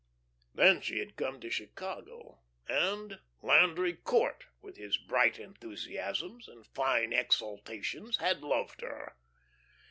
'" Then she had come to Chicago, and Landry Court, with his bright enthusiasms and fine exaltations had loved her.